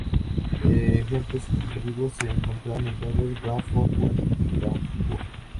Ejemplos significativos se encontraban en Londres, Bradford, Hull y Glasgow.